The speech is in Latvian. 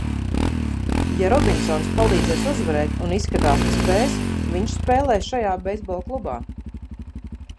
Ja Robinsons palīdzēs uzvarēt, un izskatās, ka spēs, viņš spēlēs šajā beisbola klubā!